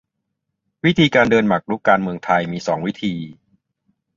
วิธีการเดินหมากรุกการเมืองไทยมีสองวิธี